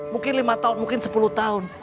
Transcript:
mungkin lima tahun mungkin sepuluh tahun